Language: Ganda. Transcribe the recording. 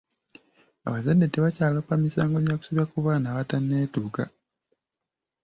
Abazadde tebakyaloopa misango gya kusobya ku baana abatanneetuuka.